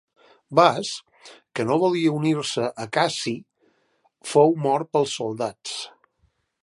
Bas, que no volia unir-se a Cassi, fou mort pels soldats.